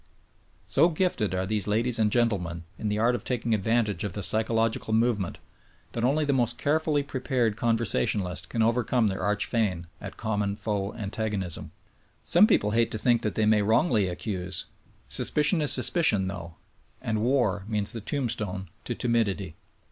So gifted are these ladies and gentlemen in the art of taking advantage of the psychological moment that only the m.ost carefully prepared conversational ist can overcome their arch feign at common foe antagonism. Some people hate to think that they may wrongly accuse. Suspicion is sus picion, though, and war means the tombstone to timidity.